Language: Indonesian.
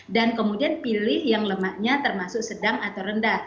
kemudian pilih yang lemaknya termasuk sedang atau rendah